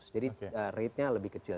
jadi ratenya lebih kecil